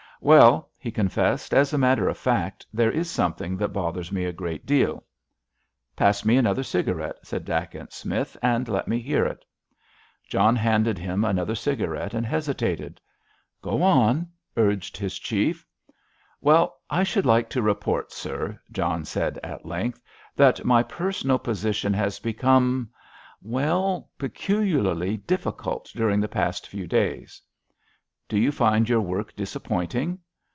"Well," he confessed, "as a matter of fact, there is something that bothers me a good deal." "Pass me another cigarette," said Dacent Smith, "and let me hear it." John handed him another cigarette, and hesitated. "Go on," urged his Chief. "Well, I should like to report, sir," John said at length, "that my personal position has become—well, peculiarly difficult during the past few days." "Do you find your work disappointing?"